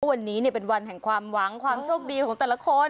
วันนี้เป็นวันแห่งความหวังความโชคดีของแต่ละคน